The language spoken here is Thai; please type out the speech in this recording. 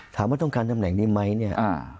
ถามว่าต้องการตำแหน่งนี้ไหมเนี่ย